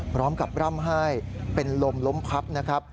พร้อมกับร่ำไห้เป็นลมล้มพับนะครับ